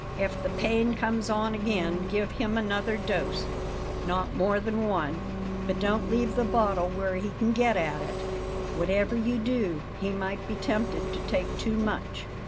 If the pain comes on again, give him another dose not more than one; but don't leave the bottle where he can get at it, whatever you do; he might be tempted to take too much."